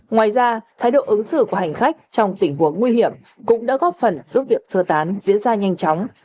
ngoài ra thái độ ứng xử của hành khách trong tình huống nguy hiểm cũng đã góp phần giúp việc sơ tán diễn ra nhanh chóng